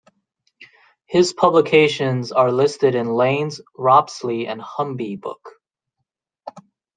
His publications are listed in Lane's Ropsley and Humby book.